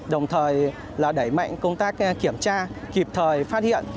đồng thời là đẩy mạnh công tác kiểm tra kịp thời phát hiện